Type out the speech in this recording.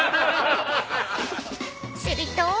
［すると］